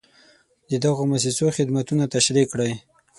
د دغو مؤسسو خدمتونه تشریح کړئ.